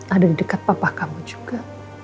ada di dekat papa kamu juga